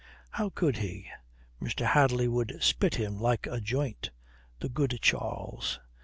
How could he? Mr. Hadley would spit him like a joint. The good Charles!